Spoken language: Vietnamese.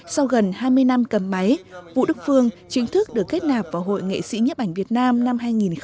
sau gần hai mươi năm cầm máy vũ đức phương chính thức được kết nạp vào hội nghệ sĩ nhiếp ảnh việt nam năm hai nghìn tám